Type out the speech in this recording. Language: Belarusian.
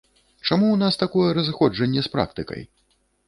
Чаму ў нас такое разыходжанне з практыкай?